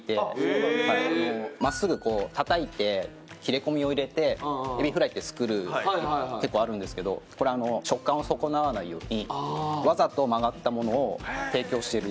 真っすぐこうたたいて切れ込みを入れてエビフライって作る結構あるんですけどこれ食感を損なわないようにわざと曲がったものを提供してる。